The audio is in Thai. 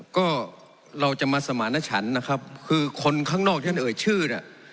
ก็เราจะมาสมารณชันนะครับคือคนข้างนอกที่ท่านเอ่ยชื่อเนี่ย